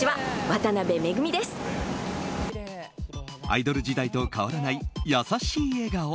アイドル時代と変わらない優しい笑顔。